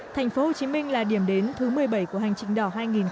thành phố hồ chí minh là điểm đến thứ một mươi bảy của hành trình đỏ hai nghìn một mươi chín